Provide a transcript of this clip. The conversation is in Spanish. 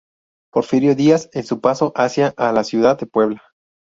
Porfirio Díaz, en su paso hacia a la ciudad de Puebla.